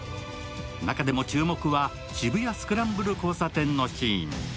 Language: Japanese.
中でも注目は、渋谷スクランブル交差点のシーン。